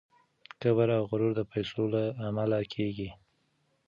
کبر او غرور د پیسو له امله کیږي.